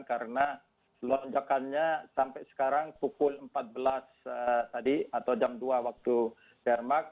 karena lonjakannya sampai sekarang pukul empat belas tadi atau jam dua waktu denmark